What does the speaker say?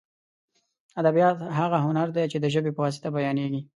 ادبیات هغه هنر دی چې د ژبې په واسطه بیانېږي.